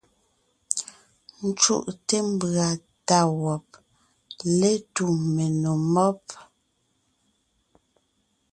Ńcúʼte mbʉ̀a tá wɔb létu menò mɔ́b.